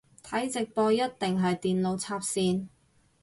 睇直播一定係電腦插線